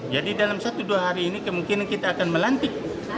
jadi dalam satu dua hari ini kemungkinan kita akan melantik